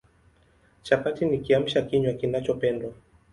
Chapati ni Kiamsha kinywa kinachopendwa